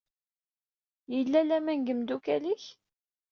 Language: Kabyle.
Yella laman deg imdukal-ik?